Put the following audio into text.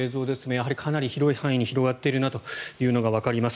やはりかなり広い範囲に広がっているのがわかります。